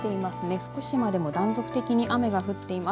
福島でも断続的に雨が降っています。